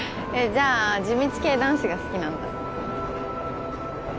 じゃあ地道系男子が好きなんだ？